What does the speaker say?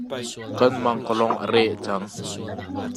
Kan mangkawlong a reh cang.